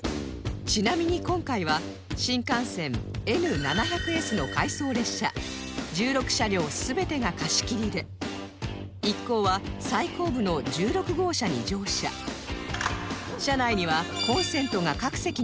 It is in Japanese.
ちなみに今回は新幹線 Ｎ７００Ｓ の回送列車１６車両全てが貸し切りで一行は車内にはコンセントが各席に完備